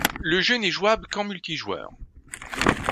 Le jeu n'est jouable qu'en multijoueur.